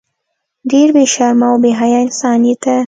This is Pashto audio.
ډیر بی شرمه او بی حیا انسان یی ته